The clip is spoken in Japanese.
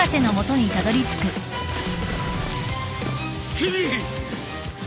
君！